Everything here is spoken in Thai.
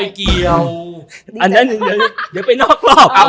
มองของพี่ตัวเองก็มาแล้ว